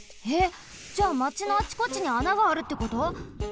えっじゃあまちのあちこちにあながあるってこと！？